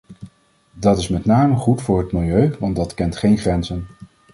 Dat is met name goed voor het milieu want dat kent geen grenzen.